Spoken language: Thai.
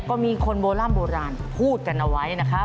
ก็มีคนโบร่ำโบราณพูดกันเอาไว้นะครับ